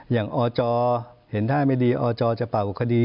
อย่างอจเห็นท่าไม่ดีอจจะปล่าวคดี